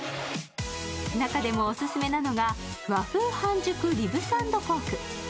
中でもオススメなのが和風半熟リブサンドポーク。